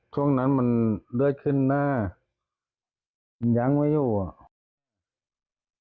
ช่วงนั้นมันเลือดขึ้นหน้ามันยังไม่อยู่อ่ะ